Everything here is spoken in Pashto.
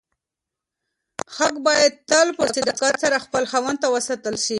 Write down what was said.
حق باید تل په صداقت سره خپل خاوند ته وسپارل شي.